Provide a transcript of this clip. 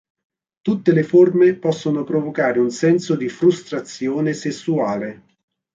Tutte le forme possono provocare un senso di frustrazione sessuale.